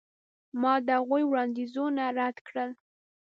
ما د هغوی وړاندیزونه رد کړل.